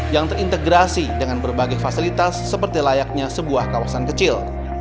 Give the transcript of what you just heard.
yang terintegrasi dengan berbagai fasilitas seperti layaknya sebuah kawasan kecil